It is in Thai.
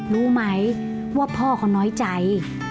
รู้ไหมว่าพ่อเขาน้อยใจ